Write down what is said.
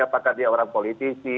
apakah dia orang politisi